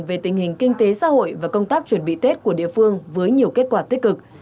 về tình hình kinh tế xã hội và công tác chuẩn bị tết của địa phương với nhiều kết quả tích cực